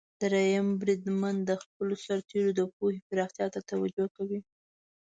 دریم بریدمن د خپلو سرتیرو د پوهې پراختیا ته توجه کوي.